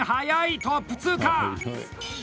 トップ通過！